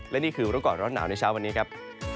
และนี่คือรู้ก่อนร้อนหนาวในเช้าวันนี้ครับ